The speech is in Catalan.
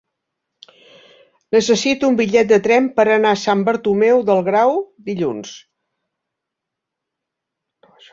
Necessito un bitllet de tren per anar a Sant Bartomeu del Grau dilluns.